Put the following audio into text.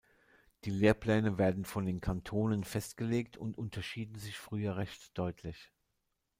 Die Lehrpläne werden von den Kantonen festgelegt und unterschieden sich früher recht deutlich.